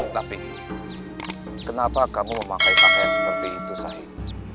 tapi kenapa kamu memakai pakaian seperti itu saya